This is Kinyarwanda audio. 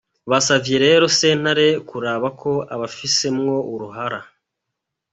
Basavye rero sentare kuraba ko abifisemwo uruhara.